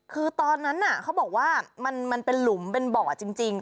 คือตอนนั้นเขาบอกว่ามันเป็นหลุมเป็นบ่อจริง